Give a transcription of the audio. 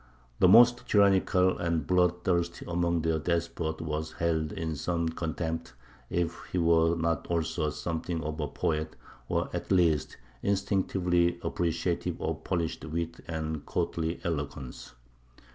The most tyrannical and bloodthirsty among their despots was held in some contempt if he were not also something of a poet, or at least instinctively appreciative of polished wit and courtly eloquence.